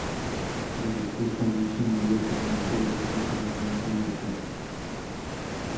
Si la respuesta no es inmediata no puede ser considerada un reflejo.